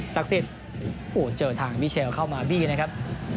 สิทธิ์เจอทางมิเชลเข้ามาบี้นะครับ